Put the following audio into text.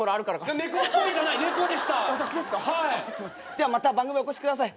ではまた番組お越しください。